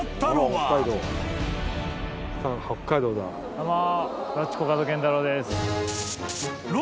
どうも。